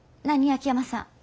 秋山さん。